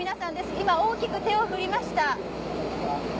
今大きく手を振りました。